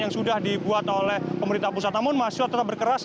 yang sudah dibuat oleh pemerintah pusat namun mahasiswa tetap berkeras